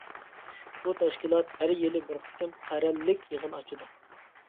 بۇ تەشكىلات ھەر يىلى بىر قېتىم قەرەللىك يىغىن ئاچىدۇ.